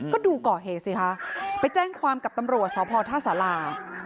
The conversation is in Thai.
ก็ดูก่อเหตุสิคะไปแจ้งความกับตำรวจสพท่าสารา